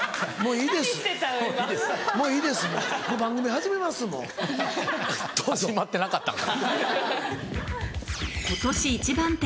始まってなかったんか。